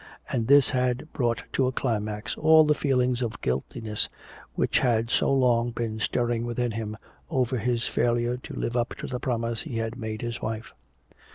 And this had brought to a climax all the feelings of guiltiness which had so long been stirring within him over his failure to live up to the promise he had made his wife.